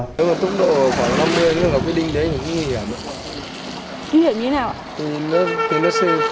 nếu mà tốc độ khoảng năm mươi nhưng mà cái đinh đấy cũng nguy hiểm